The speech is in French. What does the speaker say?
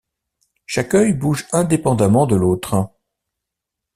Chaque œil bouge indépendamment de l'autre.